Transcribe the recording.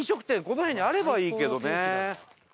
この辺にあればいいけどね。